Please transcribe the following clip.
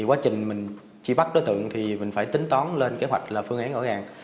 quá trình mình chỉ bắt đối tượng thì mình phải tính tón lên kế hoạch là phương án gọi gàng